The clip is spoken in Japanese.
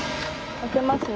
開けますね。